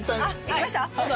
行きました？